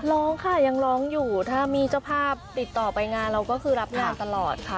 ร้องค่ะยังร้องอยู่ถ้ามีเจ้าภาพติดต่อไปงานเราก็คือรับงานตลอดค่ะ